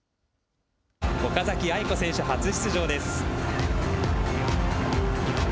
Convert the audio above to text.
岡崎愛子選手、初出場です。